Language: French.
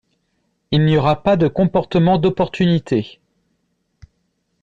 Il n’y aura pas de comportement d’opportunité.